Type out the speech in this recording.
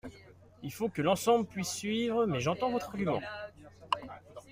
Il faut que l’ensemble puisse suivre mais j’entends votre argument.